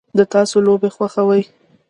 د تاسو لوبې خوښوئ؟